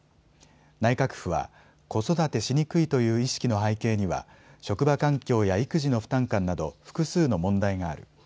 内閣府は子育てしにくいという意識の背景には職場環境や育児の負担感など複数の問題がある。